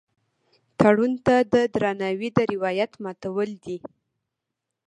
تړون ته د درناوي د روایت ماتول دي.